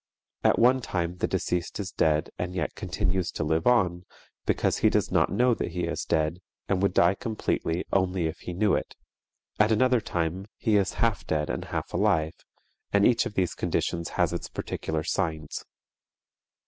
At one time the deceased is dead and yet continues to live on because he does not know that he is dead, and would die completely only if he knew it; at another time he is half dead and half alive, and each of these conditions has its particular signs.